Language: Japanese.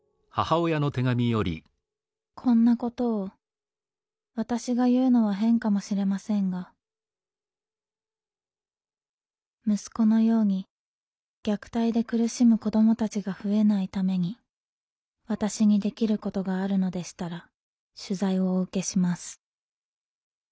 「こんなことを私が言うのは変かもしれませんが息子のように虐待で苦しむ子どもたちが増えないために私にできることがあるのでしたら取材をお受けします」。